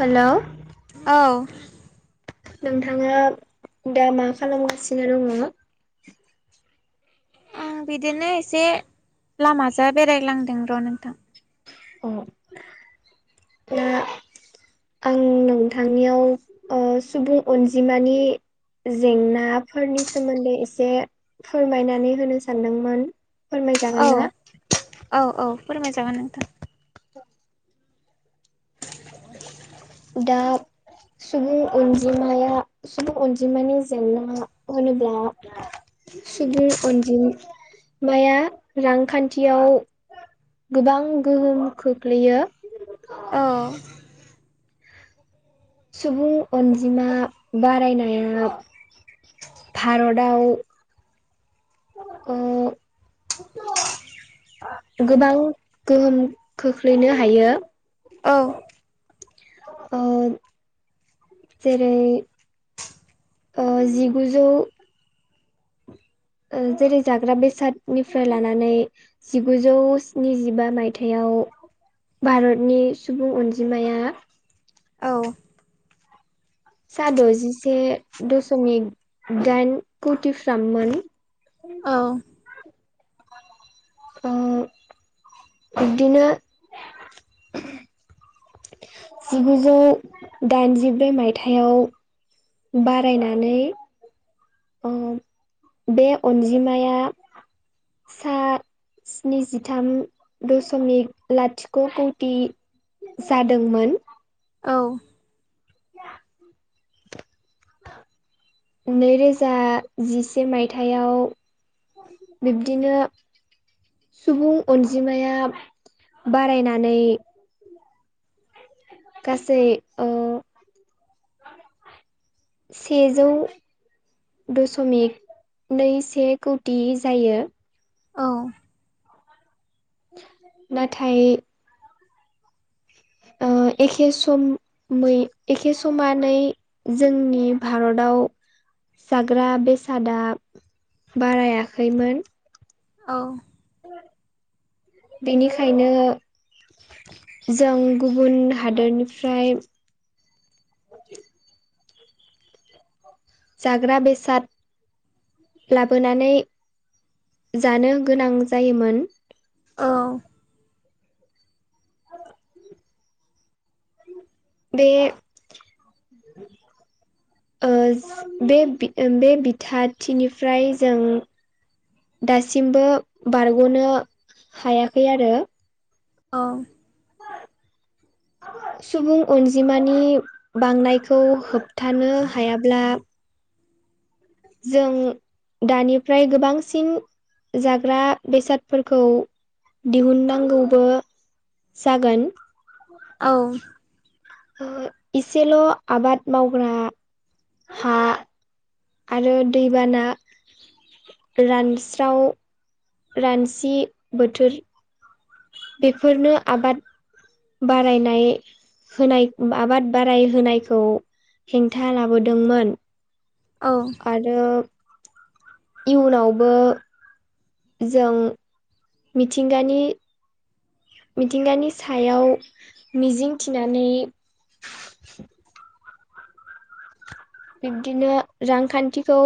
Hello औ। नोंथाङा दा मा खालामगासिनो दङ? आं बिदिनो एसे लामाजों बेरायलांदों र' नोंथां। अह। आं नोंथांनियाव ओ सुबुं अनजिमानि जेंनाफोरनि सोमोन्दै एसे फोरमायनानै होनो सानदोंमोन। फोरमायजागोन औ ना? औ औ फोरमाय जागोन नोंथां। [inaudible] [inaudible] दा सुबुं अनजिमाया सुबुं अनजिमानि जेंना होन ब्ला सुबुं अनजि माया रांखान्थियाव गोबां गोहोम खोख्लैयो। औ। सुबुं अनजिमा बारायनाया भारदाव ओ गोबां गोहोम खोख्लैनो हायो। औ ओ जेरै ओ जिगुजौ जेरै जाग्रा बेसादनिफ्राय लानानै जिगुजौ स्निजिबा मायथाइया याव भारतनि सुबुं अनजिमाया औ। सा द'जिसे दश'मिक दाइन कौतिफ्राममोन। औ। ओ बिब्दिनो जिगुजौ दाइनजिब्रै मायथाइयाव बारायनानै बे अनजिमाया सा स्निजिथाम दश'मिक लाथिख' कौटि जादोंमोन। औ। [unintelligible] नै रोजा जिसे माइथायाव, बिब्दिनो सुबुं अनजिमाया बारायनानै गासै ओ सेजौ दश'मिक नै से कटि जायो। औ नाथाय ओ एखे सम मै एखे समानै जोंनि भारताव, जाग्रा बेसादा बारायाखैमोन, औ बेनिखायनो जों गुबुन हादरनिफ्राय जाग्रा बेसाद लाबोनानै जानो गोनां जायोमोन, औ [unintelligible] बे ओ बे बि बे बिथाथिनिफ्राय जों दासिमबो बारग'नो हायाखै आरो औ [unintelligible] सुबुं अनजिमानि बांनायखौ होबथानो हायाब्ला जों दानिफ्राय गोबांसिन जाग्रा बेसादफोरखौ दिहुननांगौबो, जागोन औ इसेल' आबाद मावग्रा हा, आरो दैबाना रानस्राव, रानसि बोथोर बेफोरनो आबाद बारायनाय होनाय आबाद बाराय होनायखौ, हेंथा लाबोदोंमोन औ आरो इयुनावबो जों मिथिंगानि मिथिंगानि सायाव मिजिं थिनानै, बिब्दिनो रांखान्थिखौ,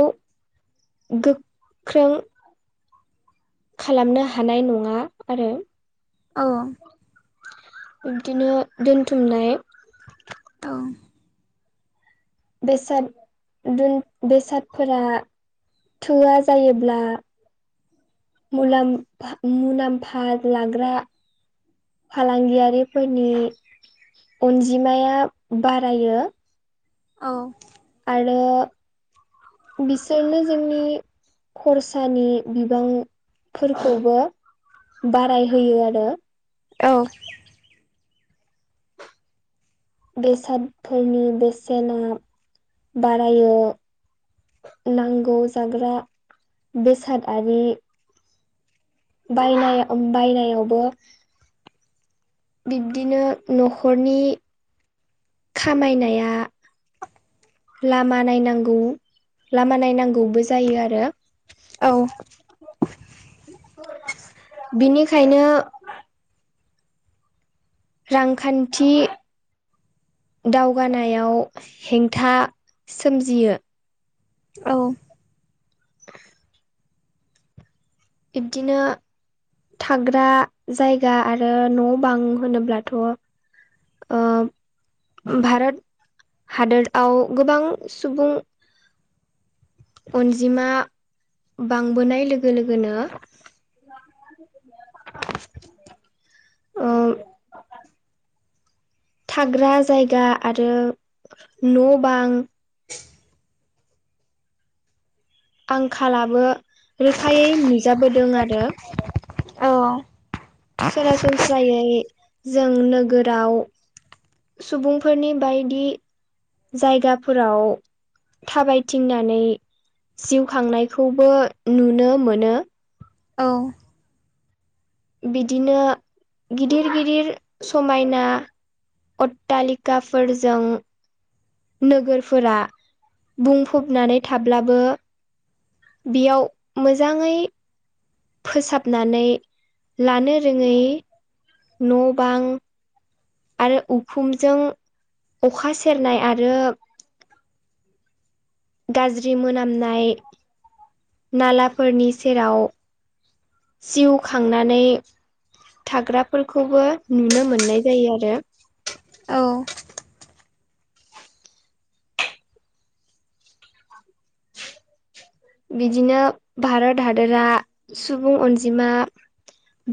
गोख्रों खालामनो हानाय नङा आरो औ बिब्दिनो दोनथुमनाय, औ बेसाद दोन बेसादफोरा थोवा जायोब्ला, मुलाम फा मुलाम्फा लाग्रा, फालांगियारिफोरनि अनजिमाया बारायो, औ आरो बिसोरनो जोंनि खरसानि बिबांफोरखौबो बाराय होयो आरो। औ बेसादफोरनि बेसेना बारायो नांगौ जाग्रा बेसादारि बायनाय बायनायावबो बिब्दिनो न'खरनि खामायनाया लामा नायनांगौ लामा नायनांगौबो जायो आरो। औ बिनिखायनो रांखान्थि दावगानायाव हेंथा सोमजियो। औ बिब्दिनो थाग्रा जायगा आरो न' बां होनोब्लाथ' ओ भारत हादराव गोबां सुबुं अनजिमा बांबोनाय लोगो लोगोनो [inaudible] ओ थाग्रा जायगा आरो न' बां आंखालाबो रोखायै नुजाबोदों आरो। औ सरासनस्रायै जों नोगोराव सुबुंफोरनि बायदि जायगाफोराव थाबायथिंनानै जिउ खांनायखौबो नुनो मोनो। औ बिदिनो गिदिर गिदिर समायना अट्टालिकाफोरजों नोगोरफोरा बुंफबनानै थाब्लाबो बेयाव मोजाङै फोसाबनानै लानो रोङै न' बां आरो उखुमजों अखा सेरनाय आरो गाज्रि मोनामनाय नालाफोरनि सेराव जिउ खांनानै थाग्राफोरखौबो नुनो मोननाय जायो आरो। औ बिदिनो भारत हादोरा सुबुं अनजिमा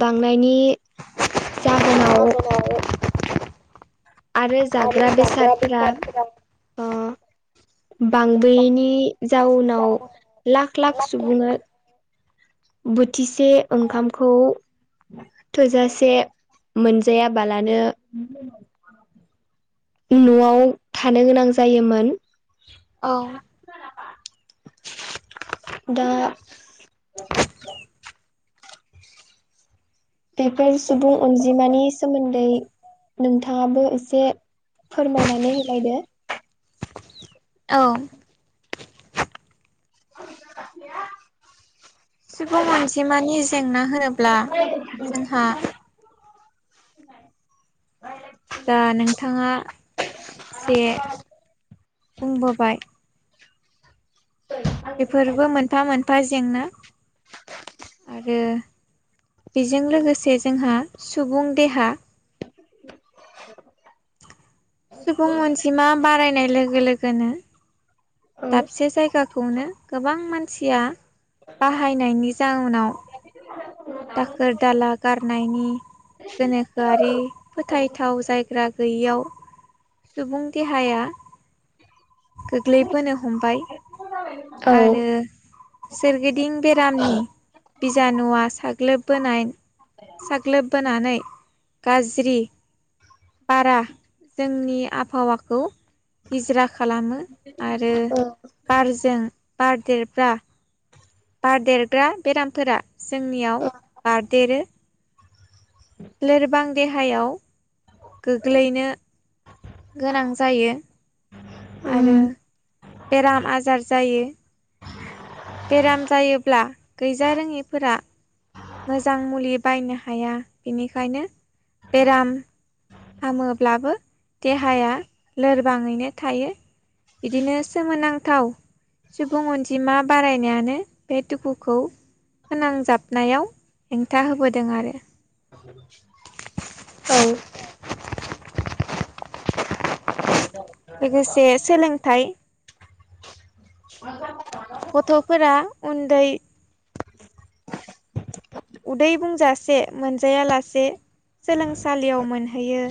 बांनायनि जाहोनाव आरो जाग्रा बेसादफोरा ओ बां गैयैनि बांद्राय जाउनाव लाख लाख सुबुङा बोथिसे ओंखामखौ थोजासे मोनजायाबालानो न'आव थानो गोनां जायोमोन। औ दा बेफोर सुबुं अनजिमानि सोमोन्दै नोंथाङाबो एसे फोरमायनानै होलायदो। औ [unintelligible] सुबुं अनजिमानि जेंना होनोब्ला जोंहा। जा नोंथाङा एसे बुंबोबाय बेफोरबो मोनफा मोनफा जेंना आरो बेजों लोगोसे जोंहा सुबुं देहा [inaudible] सुबुं अनजिमा बारायनाय लोगो लोगोनो दाबसे जायगाखौनो गोबां मानसिया बाहायनायनि जाउनाव दाखोर दाला गारनायनि गोनोखोआरि फोथायथाव जायग्रा गैयियाव सुबुं देहाया। गोग्लैबोनो हमबाय आरो औ सोरगिदिं बेरामनि बिजानुआ साग्लोबबोनाय साग्लोबबोनानै गाज्रि बारा जोंनि आबहावाखौ गिजरा खालामो आरो बारजों बार देरब्ला्रा बारदेरग्रा बेरामफोरा जोंनियाव बारदेरो। लोरबां देहायाव गोग्लैनो। गोनां जायो। आरो औ बेराम आजार जायो। बेराम जायोब्ला गैजारोङिफोरा मोजां मुलि बायनो हाया बेनिखायनो बेराम हामोब्लाबो देहाया लोरबाङैनो थायो। बिदिनो सोमोनांथाव सुबुं अनजिमा बारायनायानो बे दुखुखौ। फोनांजाबनायाव हेंथा होबोदों आरो। औ लोगोसे सोलोंथाइ आ गथ'फोरा उन्दै उदै बुंजासे मोनजायालासे सोलोंसालियाव मोनहैयो।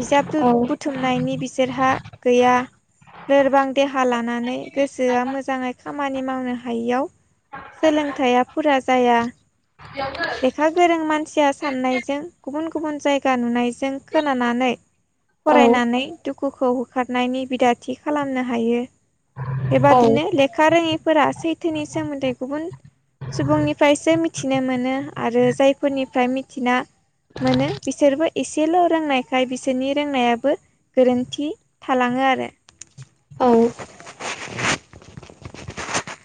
बिजाब औ औ बुथुमनायनि बिसोरहा गैया लोरबां देहा लानानै गोसोआ मोजाङै खामानि मावनो हायियाव सोलोंथायाइया फुरा जाया। [unintelligible] लेखा गोरों मानसिया साननायजों गुबुन गुबुन जायगा नुनायजों खोनानानै औ फरायनानै दुखुखौ होखारनायनि बिदाथिखालामनो हायो। औ बेबादिनो लेखा रोङैफोरा सैथोनि सोमोन्दै गुबुन सुबुंनिफ्रायसो मिथि मिथिनो मोनो आरो जायफोरनिफ्राय मिथिना मोनो बिसोरबो एसेल' रोंनायखाय बिसोरनि रोंनायाबो गोरोन्थि थालाङो आरो। औ [unintelligible]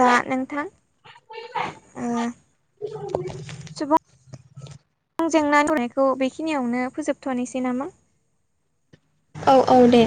दा नोंथां ओ। आंजों रायलायनायखौ बेखिनियावनो फोजोबथ'नोसै नामा? औ औ दे।